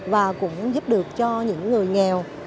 và cũng giúp được cho những người nghèo